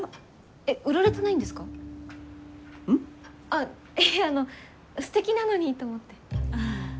ああいえあのすてきなのにと思って。